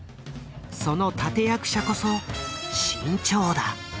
その立て役者こそ志ん朝だ。